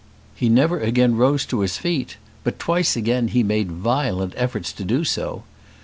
He never again rose to his feet; but twice again he made violent efforts to do so.